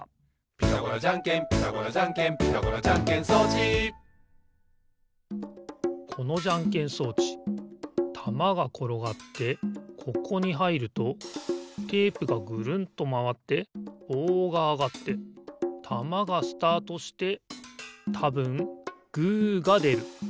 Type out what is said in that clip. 「ピタゴラじゃんけんピタゴラじゃんけん」「ピタゴラじゃんけん装置」このじゃんけん装置たまがころがってここにはいるとテープがぐるんとまわってぼうがあがってたまがスタートしてたぶんグーがでる。